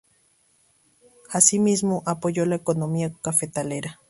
Asimismo apoyó la economía cafetalera.